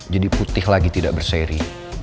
jadi putih lagi tidak berseri